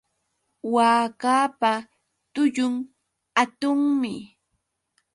Waakapa tullun hatunmi.